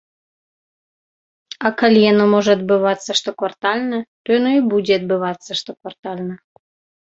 А калі яно можа адбывацца штоквартальна, то яно і будзе адбывацца штоквартальна.